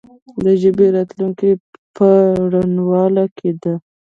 د ژبې راتلونکې په روڼوالي کې ده.